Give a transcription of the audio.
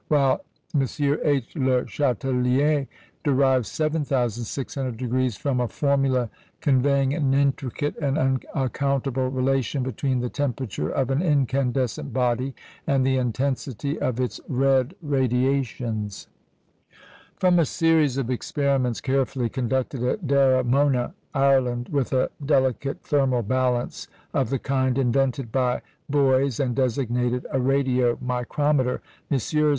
while M. H. Le Chatelier derived 7,600° from a formula, conveying an intricate and unaccountable relation between the temperature of an incandescent body and the intensity of its red radiations. From a series of experiments carefully conducted at Daramona, Ireland, with a delicate thermal balance, of the kind invented by Boys and designated a "radio micrometer," Messrs.